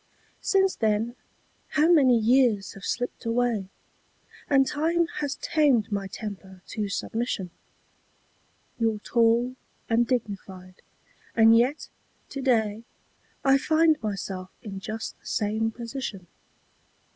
Since then how many years have slipped away ? And time has tamed my temper to submission. You're tall and dignified, and yet to day I find myself in just the same position.